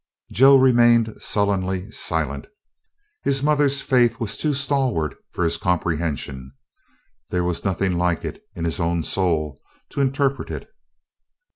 Joe remained sullenly silent. His mother's faith was too stalwart for his comprehension. There was nothing like it in his own soul to interpret it.